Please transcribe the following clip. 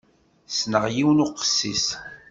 Ssneɣ yiwen uqessis.